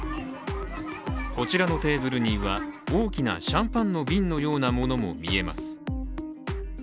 こちらのテーブルには大きなシャンパンの瓶のようなものも見えます。